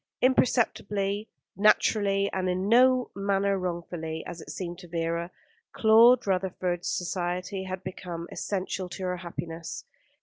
Imperceptibly, naturally, and in no manner wrongfully, as it seemed to Vera, Claude Rutherford's society had become essential to her happiness.